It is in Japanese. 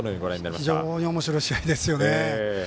非常におもしろい試合ですよね。